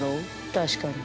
確かに。